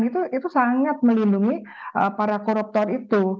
itu sangat melindungi para koruptor itu